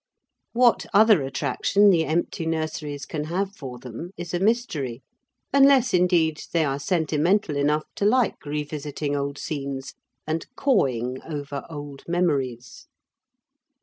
What other attraction the empty nurseries can have for them is a mystery, unless indeed they are sentimental enough to like revisiting old scenes and cawing over old memories.